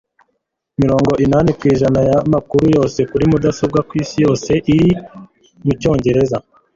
Mirongo inani ku ijana yamakuru yose kuri mudasobwa kwisi yose ari mucyongereza